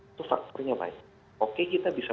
itu faktornya baik oke kita bisa